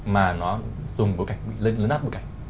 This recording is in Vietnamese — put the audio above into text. mà nó dùng bối cảnh bị lên áp bối cảnh